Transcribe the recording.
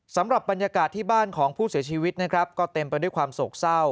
สำหรับบรรยากาศที่บ้านของผู้เสียชีวิตนะครับก็เต็มไปด้วยความโศกเศร้า